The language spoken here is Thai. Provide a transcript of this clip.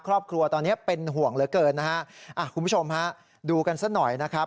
ครอบครัวตอนนี้เป็นห่วงเหลือเกินนะฮะอ่ะคุณผู้ชมฮะดูกันซะหน่อยนะครับ